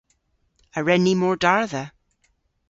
A wren ni mordardha?